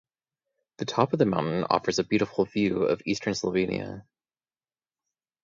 The top of the mountain offers a beautiful view of eastern Slovenia.